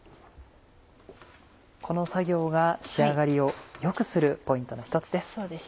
この作業が仕上がりを良くするポイントの一つです。